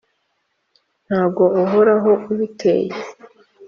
ntago Uhoraho ubiteye?